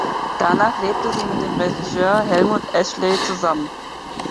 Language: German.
Danach lebte sie mit dem Regisseur Helmuth Ashley zusammen.